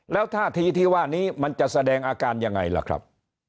แล้วท่าทีที่ว่านี้มันจะแสดงอาการยังไงล่ะครับ